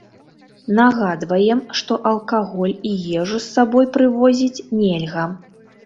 Нагадваем, што алкаголь і ежу з сабой прывозіць нельга.